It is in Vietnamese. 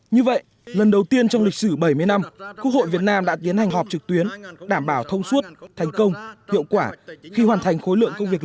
như vậy lần đầu tiên trong lịch sử bảy mươi năm quốc hội việt nam đã tiến hành họp trực tuyến đảm bảo thông suốt thành công hiệu quả khi hoàn thành khối lượng công việc lớn